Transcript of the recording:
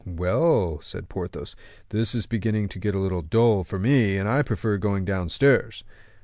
"Well," said Porthos, "this is beginning to get a little dull for me, and I prefer going downstairs."